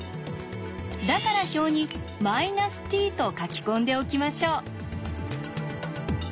だから表に「−ｔ」と書き込んでおきましょう。